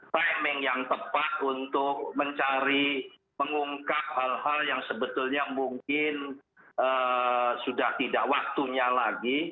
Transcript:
timing yang tepat untuk mencari mengungkap hal hal yang sebetulnya mungkin sudah tidak waktunya lagi